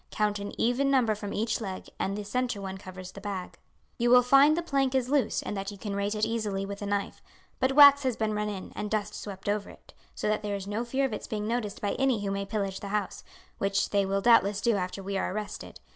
Count an even number from each leg and the centre one covers the bag. "You will find the plank is loose and that you can raise it easily with a knife; but wax has been run in, and dust swept over it, so that there is no fear of its being noticed by any who may pillage the house, which they will doubtless do after we are arrested.